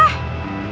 aku gak mau pulang